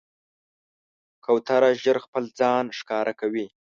کوتره ژر خپل ځان ښکاره کوي.